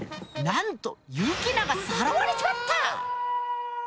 なんとユキナがさらわれちまった！